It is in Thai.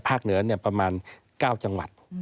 เหนือประมาณ๙จังหวัด